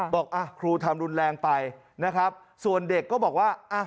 บอกครูทำรุนแรงไปนะครับส่วนเด็กก็บอกว่า